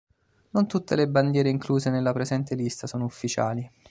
Non tutte le bandiere incluse nella presente lista sono ufficiali.